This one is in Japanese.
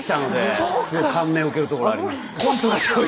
すごい感銘を受けるところがあります。